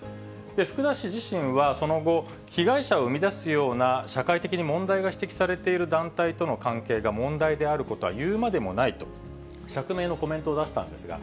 福田氏自身は、その後、被害者を生み出すような社会的に問題が指摘されている団体との関係が問題であることは言うまでもないと、釈明のコメントを出したんですが、